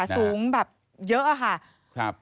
สูงเยอะอะคะครับ